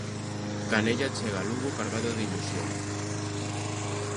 Canella chega a Lugo cargado de ilusión.